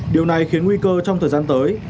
điều này khiến nguy cơ trong thời gian tới